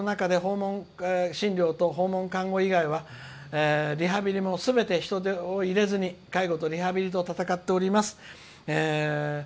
このコロナ禍訪問看護以外はリハビリもすべて人手をいれず介護とリハビリと闘っております。